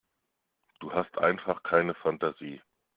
Du hast einfach keine Fantasie.